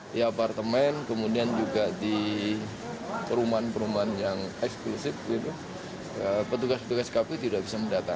di apartemen kemudian juga di perumahan perumahan yang eksklusif petugas petugas kpu tidak bisa mendata